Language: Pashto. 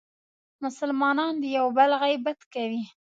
مسلمانان یو بل غیبت کوي.